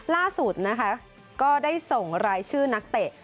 ล่าสุดนะคะก็ได้ส่งรายชื่อนักเตะ